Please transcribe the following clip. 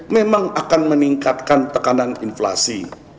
memang akan meningkatkan tekanan inflasi